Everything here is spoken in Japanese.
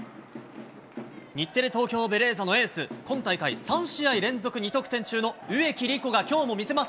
日テレ・東京ベレーザのエース、今大会３試合連続２得点中の植木理子がきょうも見せます。